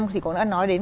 thì có nói đến